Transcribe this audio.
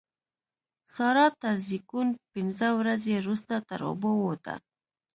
سارا تر زېږون پينځه ورځې روسته تر اوبو ووته.